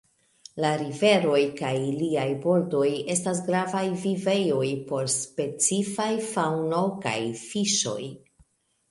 La riveroj kaj iliaj bordoj estas gravaj vivejoj por specifaj faŭno kaj fiŝoj.